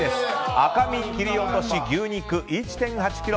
赤身切り落とし牛肉１．８ｋｇ。